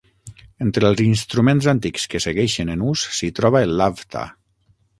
Entre els instruments antics que segueixen en ús s'hi troba el lavta.